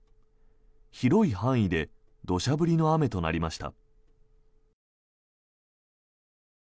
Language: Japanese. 広い範囲で土砂降りの雨となりました。